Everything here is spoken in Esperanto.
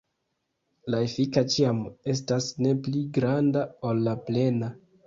La efika ĉiam estas ne pli granda ol la plena.